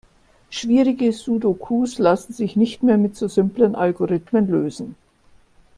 Schwierige Sudokus lassen sich nicht mehr mit so simplen Algorithmen lösen.